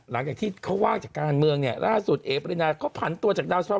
หลังจากที่เขาว่างจากการเมืองเนี่ยล่าสุดเอ๋ปรินาเขาผันตัวจากดาวชาว